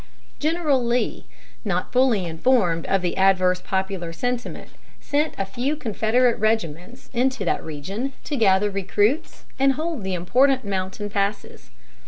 General Lee, not fully informed of the adverse popular sentiment, sent a few Confederate regiments into that region to gather recruits and hold the important mountain passes.